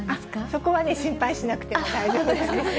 そこはね、心配しなくても大丈夫です。